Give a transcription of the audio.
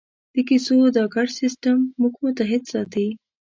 د کیسو دا ګډ سېسټم موږ متحد ساتي.